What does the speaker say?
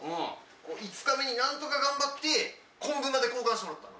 ５日目に何とか頑張って昆布まで交換してもらったの。